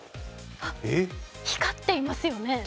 光っていますよね。